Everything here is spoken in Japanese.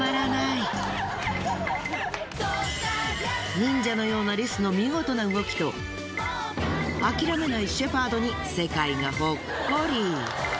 忍者のようなリスの見事な動きと諦めないシェパードに世界がほっこり。